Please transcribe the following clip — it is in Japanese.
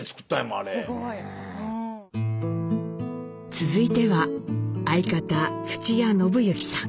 続いては相方・土屋伸之さん。